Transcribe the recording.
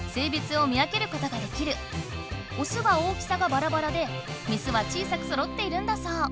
オスは大きさがバラバラでメスは小さくそろっているんだそう。